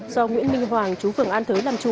do nguyễn minh hoàng chú phường an thới làm chủ